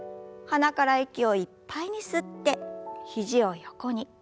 鼻から息をいっぱいに吸って肘を横に。